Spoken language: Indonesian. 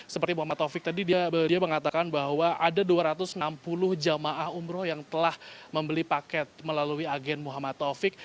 seperti muhammad taufik tadi dia mengatakan bahwa ada dua ratus enam puluh jemaah umroh yang telah membeli paket melalui agen muhammad taufik